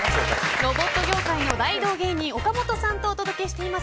ロボット業界の大道芸人岡本さんとお届けしています